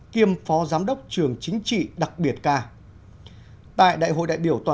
kiêm phó giám đốc trường chính trị đặc biệt ca